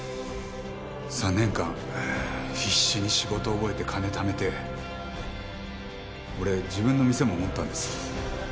３年間必死に仕事を覚えて金ためて俺自分の店も持ったんです。